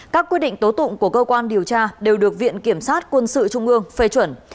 các quyết định tố tụng của cơ quan điều tra đều được viện kiểm sát quân sự trung ương phê chuẩn